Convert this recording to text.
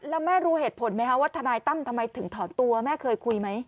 แล้วแม่รู้เหตุผลไหมคะว่าทนายตั้มทำไมถึงถอนตัวแม่เคยคุยไหม